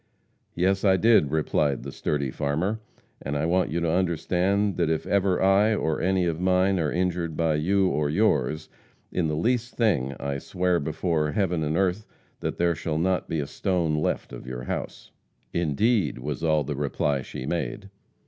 "Yes, I did," replied the sturdy farmer, "and I want you to understand that if ever I, or any of mine, are injured by you or yours, in the least thing, I swear before heaven and earth that there shall not be a stone left of your house." "Indeed!" was all the reply she made.